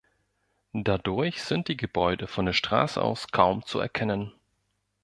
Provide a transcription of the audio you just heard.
Dadurch sind die Gebäude von der Straße aus kaum zu erkennen.